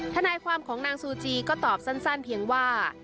ทนายความของนางซูจีก็ตอบสั้นเพียงว่า